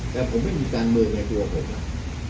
แต่ผมไม่มีการเมืองในตัวผมหรอก